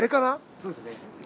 そうですね。